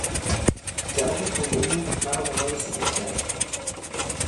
جواب تند او مرا وادار به سکوت کرد.